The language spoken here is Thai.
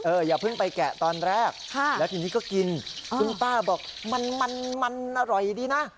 อย่าเพิ่งไปแกะตอนแรกแล้วทีนี้ก็กินคุณป้าบอกมันมันอร่อยดีนะ